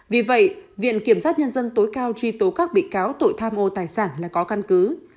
vì vậy viện kiểm sát nhân dân tối cao truy tố các bị cáo tội tham ô tài sản là có căn cứ